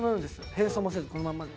変装もせずこのまんまで。